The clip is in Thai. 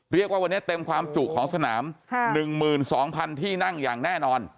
เรียกว่าวันนี้เต็มความจุของสนามค่ะหนึ่งหมื่นสองพันที่นั่งอย่างแน่นอน